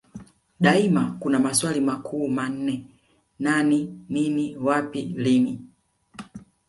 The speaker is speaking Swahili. Daima kuna maswali makuu manne Nani nini wapi lini